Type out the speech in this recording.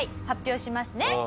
発表しますね。